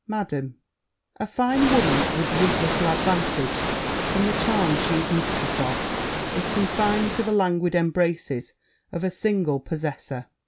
Madam, A fine woman would reap little advantage from the charms she is mistress of, if confined to the languid embraces of a single possesser.